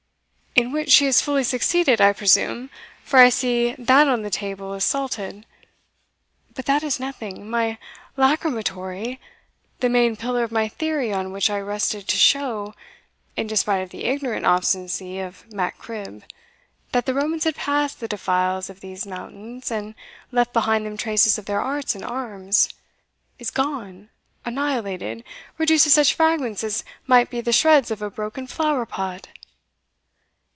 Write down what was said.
"In which she has fully succeeded, I presume, for I see that on the table is salted. But that is nothing my lachrymatory, the main pillar of my theory on which I rested to show, in despite of the ignorant obstinacy of Mac Cribb, that the Romans had passed the defiles of these mountains, and left behind them traces of their arts and arms, is gone annihilated reduced to such fragments as might be the shreds of a broken flowerpot!